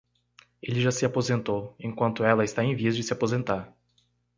Ele já se aposentou, enquanto ela está em vias de se aposentar